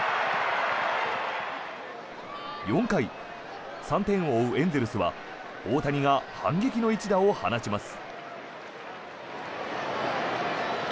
４回、３点を追うエンゼルスは大谷が反撃の一打を放ちます。